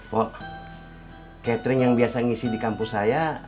kok catering yang biasa ngisi di kampus saya